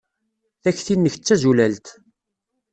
Takti-nnek d tazulalt.